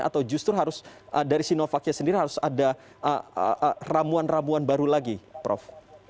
atau justru harus dari sinovacnya sendiri harus ada ramuan ramuan baru lagi prof